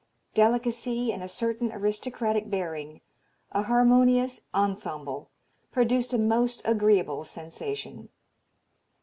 Delicacy and a certain aristrocratic bearing, a harmonious ensemble, produced a most agreeable sensation.